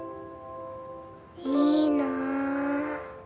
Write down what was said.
いいな。